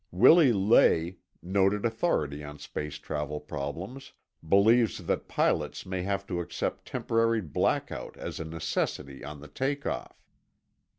Willi Ley, noted authority on space travel problems, believes that pilots may have to accept temporary blackout as a necessity on the take off.